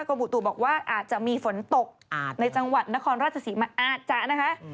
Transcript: บุตุบอกว่าอาจจะมีฝนตกอาจในจังหวัดนครราชศรีมาอาจจะนะคะ